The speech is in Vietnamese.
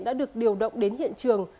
đã được điều động đến hiện trường